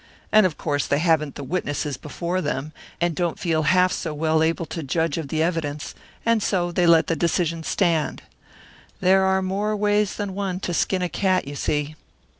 And of course they haven't the witnesses before them, and don't feel half so well able to judge of the evidence, and so they let the decision stand. There are more ways than one to skin a cat, you see!"